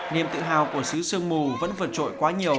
niềm tự hào của xứ sương mù vẫn vượt trội quá nhiều